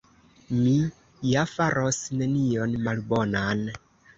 Mi ja faros nenion malbonan.